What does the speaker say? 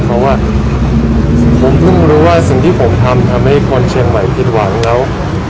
เพราะว่าผมเพิ่งรู้ว่าสิ่งที่ผมทำทำให้คนเชียงใหม่ผิดหวังแล้ว